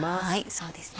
そうですね。